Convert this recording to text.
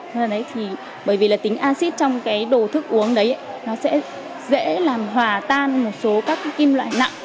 bởi vì tính acid trong đồ thức uống đấy sẽ dễ làm hòa tan một số các kim loại nặng